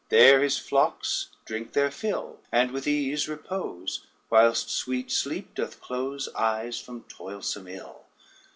There his flocks Drink their fill, And with ease repose, Whilst sweet sleep doth close Eyes from toilsome ill.